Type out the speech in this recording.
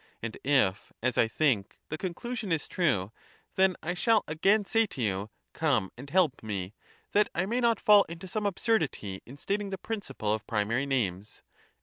And if, as I think, the conclusion is true, then I shall again say to you, come and help me, that I may not fall into some absurdity in stating the principle of primary names.